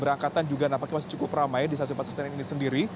berangkatan juga nampaknya masih cukup ramai di stasiun pasar senen ini sendiri